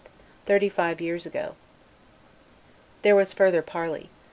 thirty five years ago." There was further parley.